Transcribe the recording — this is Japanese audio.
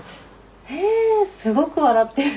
へすごく笑ってる。